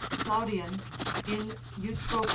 Claudian, in Eutrop.